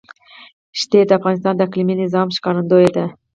ښتې د افغانستان د اقلیمي نظام ښکارندوی ده.